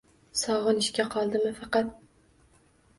Sog’inishga qoldimmi faqat?